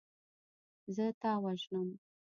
زه تا وژنم.